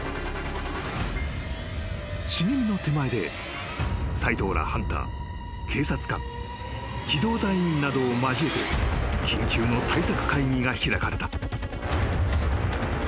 ［茂みの手前で斎藤らハンター警察官機動隊員などを交えて緊急の対策会議が開かれた］